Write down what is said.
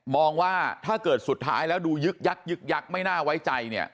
ว่าถ้าเกิดสุดท้ายแล้วดูยึกยักยึกยักษ์ไม่น่าไว้ใจเนี่ย